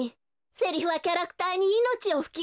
セリフはキャラクターにいのちをふきこむのよ。